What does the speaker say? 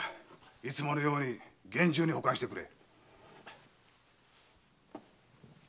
いつものように厳重に保管してくれ。